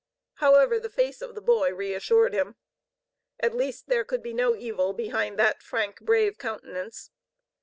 However, the face of the boy reassured him. At least there could be no evil behind that frank, brave countenance.